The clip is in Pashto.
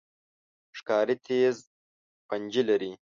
ښکاري تیز پنجې لري.